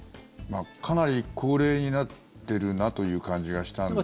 かなり高齢になっているなという感じがしたので。